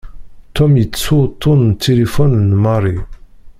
Tom yettu uṭṭun n tilifun n Mary.